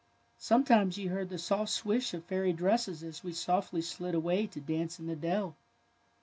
Sometimes you heard the soft swish of fairy dresses as we softly slid away to dance in the dell."